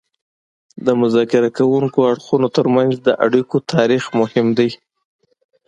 د مذاکره کوونکو اړخونو ترمنځ د اړیکو تاریخ مهم دی